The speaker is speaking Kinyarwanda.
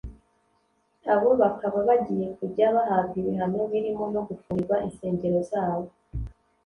abo bakaba bagiye kujya bahabwa ibihano birimo no gufungirwa insengero zabo